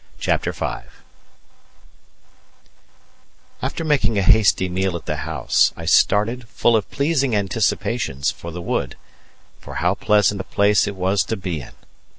CHAPTER V After making a hasty meal at the house, I started, full of pleasing anticipations, for the wood; for how pleasant a place it was to be in!